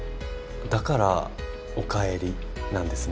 だから「おかえり」なんですね。